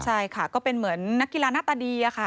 ใช่ค่ะก็เป็นเหมือนนักกีฬาหน้าตาดีอะค่ะ